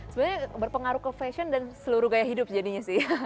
sebenarnya berpengaruh ke fashion dan seluruh gaya hidup jadinya sih